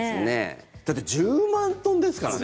だって１０万トンですからね。